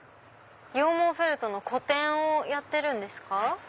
羊毛フェルトの個展をやってるんですか？